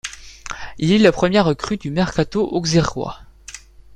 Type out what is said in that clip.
Il est la première recrue du mercato auxerrois.